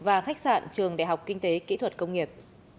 và khách sạn trường đại học kinh tế kỹ thuật công nghiệp